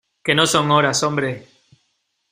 que no son horas, hombre.